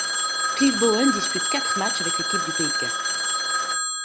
Cliff Bowen dispute quatre matchs avec l'équipe du pays de Galles.